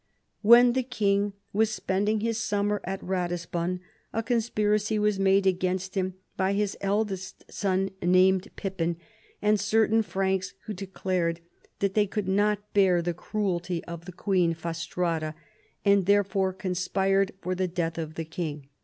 " When the king was spending his summer at Ratisbon, a conspiracy was made against him by his eldest son, named Pippin, and certain Franks who declared that they could not bear the cruelty of the queen Fastrada, and therefore conspired for the death of the king.